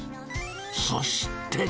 そして。